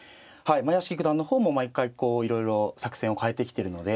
屋敷九段の方も毎回こういろいろ作戦を変えてきてるので。